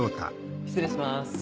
失礼します。